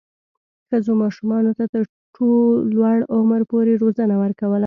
ښځو ماشومانو ته تر لوړ عمر پورې روزنه ورکوله.